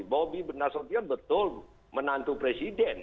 bobi bernasution betul menantu presiden